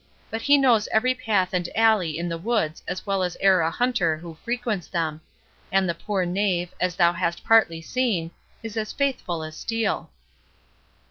But he knows every path and alley in the woods as well as e'er a hunter who frequents them; and the poor knave, as thou hast partly seen, is as faithful as steel."